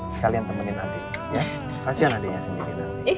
sekalian temenin adik ya kasian adiknya sendiri